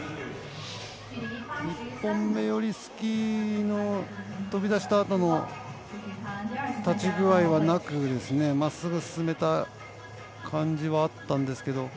１回目よりスキーの飛び出したあとの立ち具合はなくまっすぐ進めた感じはあったんですけど